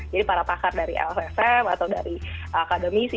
jadi para pakar dari lfm atau dari akademisi